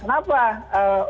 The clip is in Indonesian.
kenapa wakil menteri